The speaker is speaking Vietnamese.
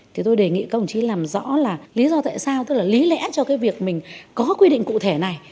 thì tôi đề nghị các ông chí làm rõ là lý do tại sao tức là lý lẽ cho cái việc mình có quy định cụ thể này